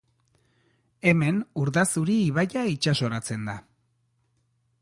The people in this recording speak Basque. Hemen Urdazuri ibaia itsasoratzen da.